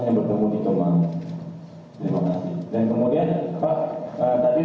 jadi sebab itu kami pasti akan koordinasi